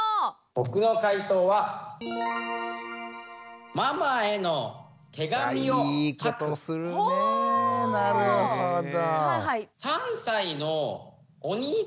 僕の解答はあいいことするねなるほど。